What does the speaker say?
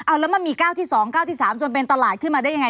อ้าวแล้วมันมีก้าวที่สองก้าวที่สามจนเป็นตลาดขึ้นมาได้ยังไง